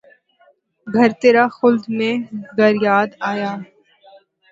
گھر ترا خلد میں گر یاد آیا